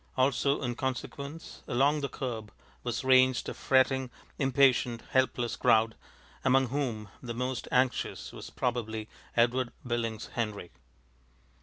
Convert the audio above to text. Also, in consequence, along the curb was ranged a fretting, impatient, helpless crowd, among whom the most anxious was probably Edward Billings Henry.